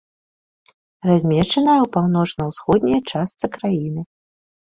Размешчаная ў паўночна-ўсходняй частцы краіны.